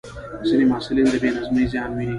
ځینې محصلین د بې نظمۍ زیان ویني.